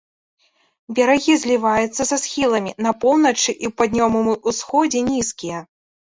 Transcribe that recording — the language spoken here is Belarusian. Берагі зліваюцца са схіламі, на поўначы і паўднёвым усходзе нізкія.